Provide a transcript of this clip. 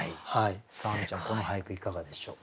亜美ちゃんこの俳句いかがでしょうか？